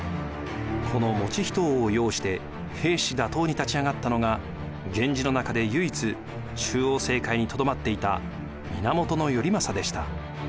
この以仁王を擁して平氏打倒に立ち上がったのが源氏の中で唯一中央政界に留まっていた源頼政でした。